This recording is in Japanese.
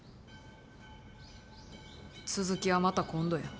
続きはまた今度や。